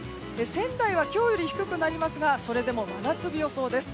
仙台は今日より低くなりますがそれでも真夏日予想です。